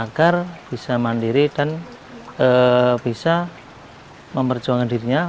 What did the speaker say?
agar bisa mandiri dan bisa memperjuangkan dirinya